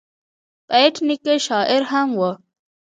بېټ نیکه شاعر هم و.